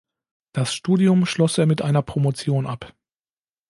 Das Studium schloss er mit einer Promotion ab.